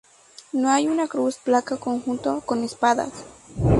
No hay una cruz, placa o conjunto ""con espadas"".